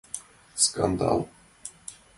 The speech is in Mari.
Скандал!